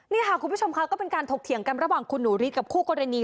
นี่ค่ะคุณผู้ชมค่ะก็เป็นการถกเถียงกันระหว่างคุณหนูฤทธิกับคู่กรณี